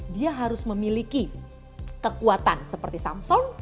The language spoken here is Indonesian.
dia harus memiliki kekuatan seperti samson